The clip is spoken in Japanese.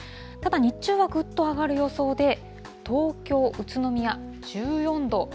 ただ日中はぐっと上がる予想で、東京、宇都宮、１４度。